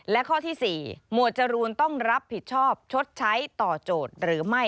และข้อที่๔หมวดจรูนต้องรับผิดชอบชดใช้ต่อโจทย์หรือไม่